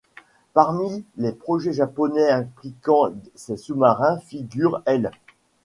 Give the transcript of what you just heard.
Parmi les projets japonais impliquant ses sous-marins figure l'.